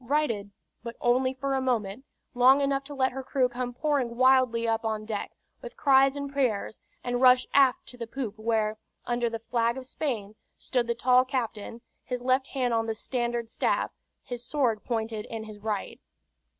Righted: but only for a moment, long enough to let her crew come pouring wildly up on deck, with cries and prayers, and rush aft to the poop, where, under the flag of Spain, stood the tall captain, his left hand on the standard staff, his sword pointed in his right.